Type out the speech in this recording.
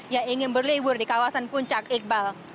yang ingin berlibur di kawasan puncak iqbal